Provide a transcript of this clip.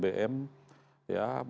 banyak sekali pegiat pegiat lainnya